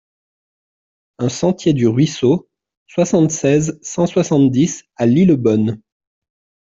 un sentier du Ruisseau, soixante-seize, cent soixante-dix à Lillebonne